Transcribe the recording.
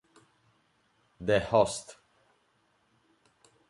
The Host